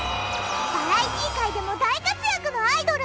バラエティー界でも大活躍のアイドル。